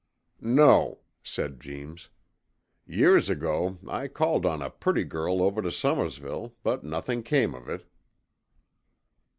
'No,' said Jeems. 'Years ago, I called on a pretty girl over to Somesville, but nothing came of it.'